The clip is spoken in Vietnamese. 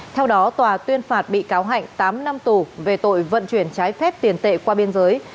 theo đó tòa tuyên phạt bị cáo hạnh tám năm tù về tội vận chuyển trái phép tiền tệ qua biên giới